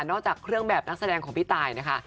จากเครื่องแบบนักแสดงของพี่ตายนะคะ